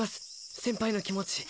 先輩の気持ち。